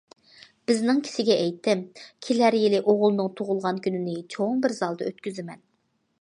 بىزنىڭ كىشىگە ئېيتتىم، كېلەر يىلى ئوغۇلنىڭ تۇغۇلغان كۈنىنى چوڭ بىر زالدا ئۆتكۈزىمەن.